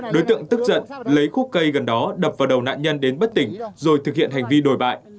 đối tượng tức giận lấy khúc cây gần đó đập vào đầu nạn nhân đến bất tỉnh rồi thực hiện hành vi đồi bại